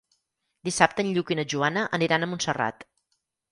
Dissabte en Lluc i na Joana aniran a Montserrat.